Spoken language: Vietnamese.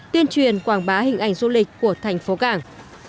tuyên truyền quảng bá hình ảnh du lịch của thành phố cảng